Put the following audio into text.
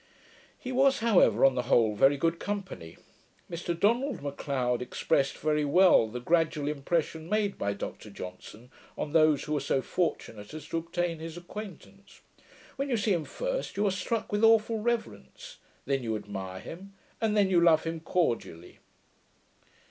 He was, however, on the whole, very good company. Mr Donald M'Leod expressed very well the gradual impression made by Dr Johnson on those who are so fortunate as to obtain his acquaintance. 'When you see him first, you are struck with awful reverence; then you admire him; and then you love him cordially.'